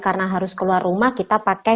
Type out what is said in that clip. karena harus keluar rumah kita pakai